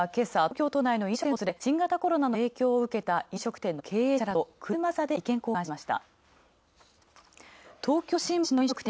岸田総理大臣は東京都内の飲食店を訪れ新型コロナの影響を受けた飲食店の経営者らと車座で意見交換しました。